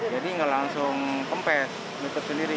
jadi gak langsung pempes mipet sendiri